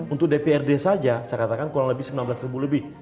untuk dprd saja saya katakan kurang lebih sembilan belas ribu lebih